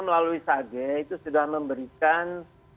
melalui sage itu sudah memberikan